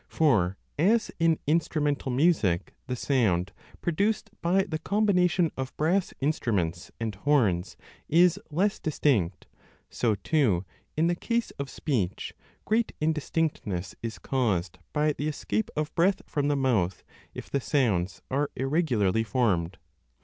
For as in instrumental music the sound produced by the 10 combination of brass instruments and horns is less distinct, so too, in the case of speech, great indistinctness is caused by the escape of breath from the mouth if the sounds are irregularly formed.